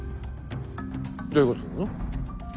どういうことなの？